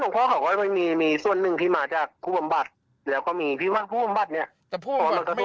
หลุงพอธังว่ามีส่วนหนึ่งได้มาจากทัพพิมพ์อำบัดและพิมพร์ทัพพิมพ์อำบัด